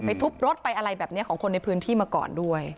ทุบรถไปอะไรแบบนี้ของคนในพื้นที่มาก่อนด้วย